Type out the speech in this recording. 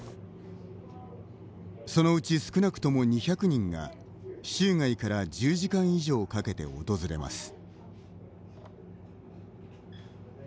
そのうち少なくとも２００人が州外から１０時間以上かけて訪れます。